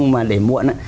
mà để muộn